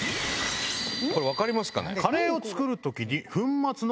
これ分かりますかね？